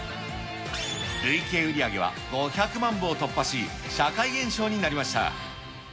累計売上は５００万部を突破し、社会現象になりました。